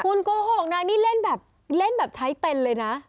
คุณโกหกนะนี่เล่นแบบเล่นแบบใช้เป็นเลยนะ